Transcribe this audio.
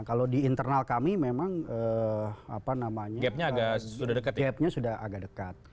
kalau di internal kami memang gapnya sudah agak dekat